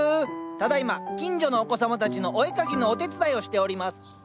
ただいま近所のお子様たちのお絵描きのお手伝いをしております。